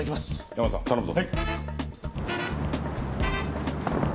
ヤマさん頼むぞ。